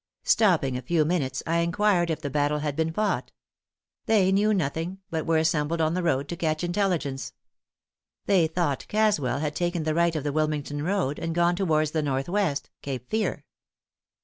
Stopping a few minutes I inquired if the battle had been fought. They knew nothing, but were assembled on the road to catch intelligence. They thought Caswell had taken the right of the Wilmington road, and gone towards the northwest (Cape Fear).